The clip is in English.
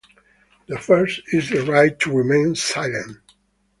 The first is the right to remain silent.